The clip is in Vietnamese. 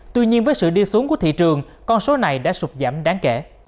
tuy nhiên với sự đi xuống của thị trường con số này đã sụp giảm đáng kể